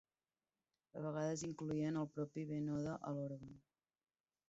A vegades incloïen el propi Venhoda a l'òrgan.